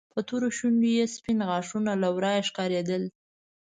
په تورو شونډو کې يې سپين غاښونه له ورايه ښکارېدل.